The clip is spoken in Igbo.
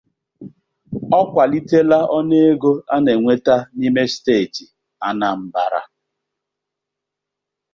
Ọ kwalitela ọnụ ego a na-enweta n'ime steeti Anambra